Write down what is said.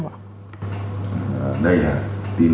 đây là tin đồn thất thiệt